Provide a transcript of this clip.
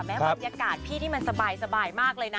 บรรยากาศพี่นี่มันสบายมากเลยนะ